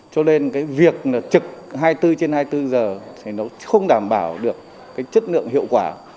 cho nên cái việc trực hai mươi bốn trên hai mươi bốn giờ thì nó không đảm bảo được cái chất lượng hiệu quả